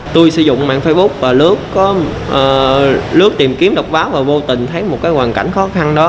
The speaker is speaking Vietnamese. tôi sử dụng mạng facebook và lớp có lướt tìm kiếm đọc báo và vô tình thấy một cái hoàn cảnh khó khăn đó